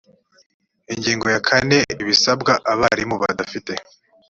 ingingo ya kane ibisabwa abarimu badafite